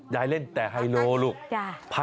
ยายเล่นแต่ไฮโลลูก